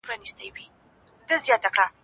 زه هره ورځ سفر کوم!؟